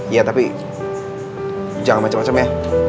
ya tapi jangan macam macam ya